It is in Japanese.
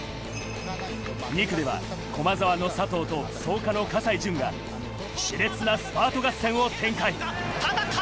２区では駒澤の佐藤と創価の葛西潤が熾烈なスパート合戦を展開。